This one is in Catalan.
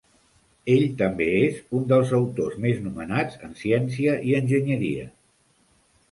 Ell també és un dels autors més nomenats en ciència i enginyeria.